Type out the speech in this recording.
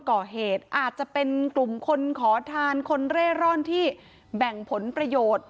ก่อเหตุอาจจะเป็นกลุ่มคนขอทานคนเร่ร่อนที่แบ่งผลประโยชน์